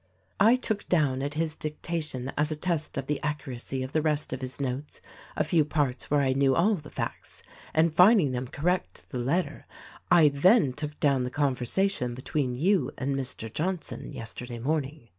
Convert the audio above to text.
I took down at his dictation, as a test of the accuracy of the rest of his notes a few parts where I knew all the facts ; and finding them correct to the letter, I then took down the conversation between you and Mr. Johnson yesterday morning.